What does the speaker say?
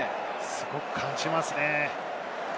すごく感じますね。